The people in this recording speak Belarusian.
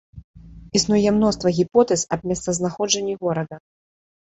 Існуе мноства гіпотэз аб месцазнаходжанні горада.